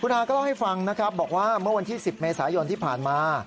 อาก็เล่าให้ฟังนะครับบอกว่าเมื่อวันที่๑๐เมษายนที่ผ่านมา